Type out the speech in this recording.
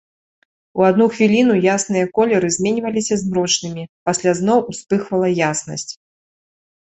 У адну хвіліну ясныя колеры зменьваліся змрочнымі, пасля зноў успыхвала яснасць.